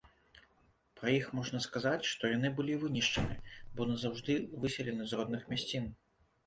Пра іх можна сказаць, што яны былі вынішчаны, бо назаўжды выселены з родных мясцін.